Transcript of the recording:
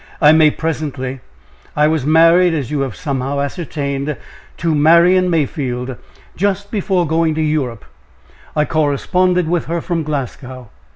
I may presently. I was married, as you have somehow ascertained, to Marian Mayfield, just before going to Europe. I corresponded with her from Glasgow.